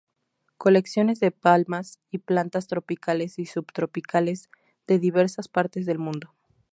Colecciones de palmas, y plantas tropicales y subtropicales de diversas partes del mundo.